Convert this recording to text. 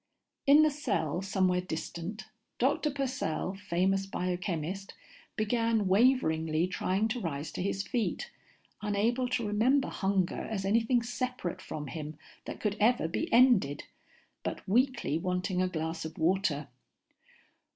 In the cell somewhere distant, Dr. Purcell, famous biochemist, began waveringly trying to rise to his feet, unable to remember hunger as anything separate from him that could ever be ended, but weakly wanting a glass of water.